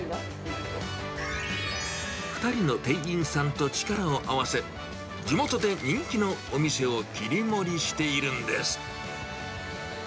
２人の店員さんと力を合わせ、地元で人気のお店を切り盛りしているんです。